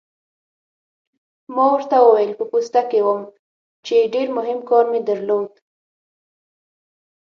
ما ورته وویل: په پوسته کې وم، چې ډېر مهم کار مې درلود.